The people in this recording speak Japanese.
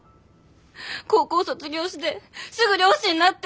高校卒業してすぐ漁師になって。